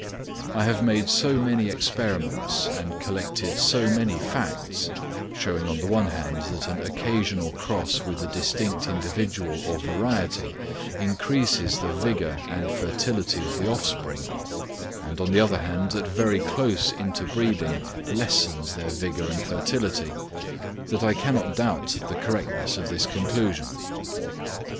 I have made so many experiments and collected so many facts, showing on the one hand that an occasional cross with a distinct individual or variety increases the vigour and fertility of the offspring, and on the other hand that very close interbreeding lessens their vigour and fertility, that I cannot doubt the correctness of this conclusion.